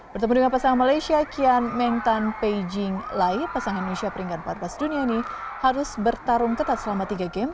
bertemu dengan pasangan malaysia kian mentan peijing lai pasangan indonesia peringkat empat belas dunia ini harus bertarung ketat selama tiga game